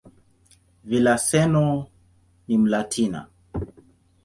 Villaseñor ni "Mlatina".